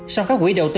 sau các quỹ đầu tư